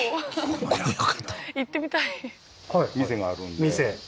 行ってみたい店？